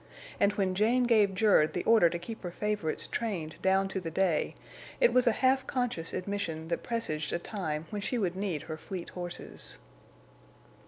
And when Jane gave Jerd the order to keep her favorites trained down to the day it was a half conscious admission that presaged a time when she would need her fleet horses.